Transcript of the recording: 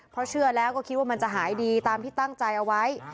เพราะเชื่อแล้วก็คิดว่ามันจะหายดีตามที่ตั้งใจเอาไว้